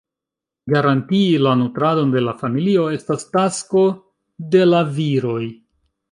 Garantii la nutradon de la familio estas tasko de la viroj.